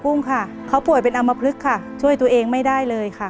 รายการต่อไปนี้เป็นรายการทั่วไปสามารถรับชมได้ทุกวัย